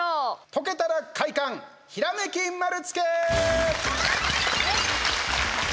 解けたら快感、ひらめき丸つけ。